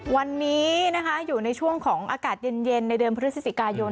วันนี้นะคะอยู่ในช่วงของอากาศเย็นในเดือนพฤศจิกายน